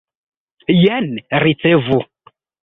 Jen, ricevu!